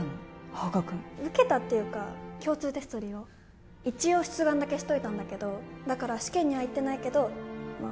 青学受けたっていうか共通テスト利用一応出願だけしといたんだけどだから試験には行ってないけどまあ